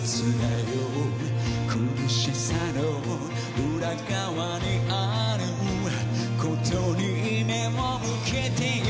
「苦しさの裏側にあることに眼を向けて」